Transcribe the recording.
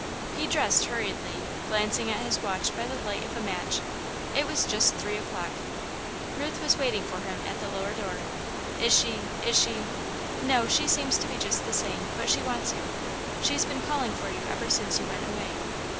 He dressed hurriedly, glancing at his watch by the light of a match. It was just three o'clock. Ruth was waiting for him at the lower door. "Is she is she " "No, she seems to be just the same, but she wants you. She's been calling for you ever since you went away."